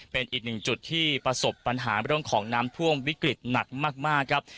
เป็นอีกหนึ่งจุดที่ประสบปัญหาเรื่องของน้ำท่วมวิกฤตหนักมากครับ